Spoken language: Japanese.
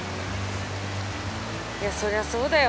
いやそりゃそうだよ。